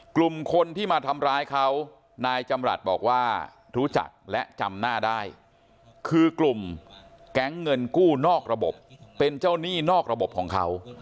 กลุ่มคนที่มาทำร้ายเขานายจำรัฐบอกว่ารู้จักและจำหน้าได้คือกลุ่มแก๊งเงินกู้นอกระบบเป็นเจ้าหนี้นอกระบบของเขา